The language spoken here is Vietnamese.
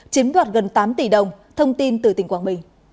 chiếm đoạt gần tám tỷ đồng thông tin từ tp hcm